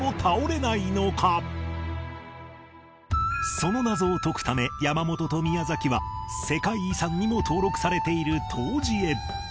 その謎を解くため山本と宮は世界遺産にも登録されている東寺へ